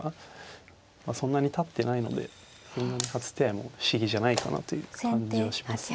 そんなにたってないのでそんなに初手合いも不思議じゃないかなという感じはしますね。